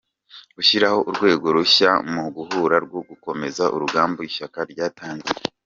-Gushyiraho urwego rushya mu Gihugu rwo gukomeza urugamba ishyaka ryatangiye